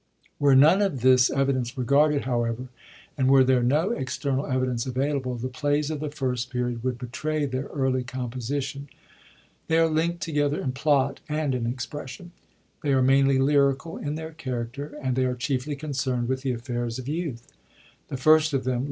Were none of this evidence regarded, however, and were there no external evidence available, the plays of the First Period would betray their early composition. They are linkt together in plot and in expression ; they are mainly lyrical in their character, and they are chiefly concernd with the affairs of youth. The first of them.